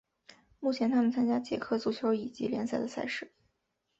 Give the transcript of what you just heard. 目前他们参加捷克足球乙级联赛的赛事。